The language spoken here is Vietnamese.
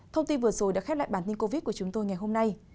thông tin vừa rồi đã khép lại bản tin covid của chúng tôi ngày hôm nay